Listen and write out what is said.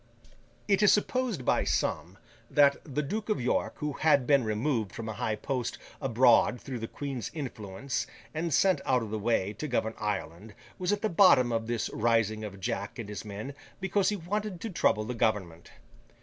It is supposed by some, that the Duke of York, who had been removed from a high post abroad through the Queen's influence, and sent out of the way, to govern Ireland, was at the bottom of this rising of Jack and his men, because he wanted to trouble the government.